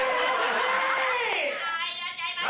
はいいらっしゃいませ。